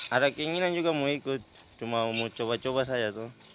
ada keinginan juga mau ikut cuma mau coba coba